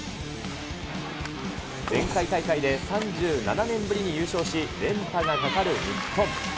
前回大会で３７年ぶりに優勝し、連覇がかかる日本。